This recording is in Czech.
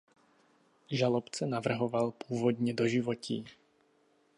Žalobce navrhoval původně doživotí.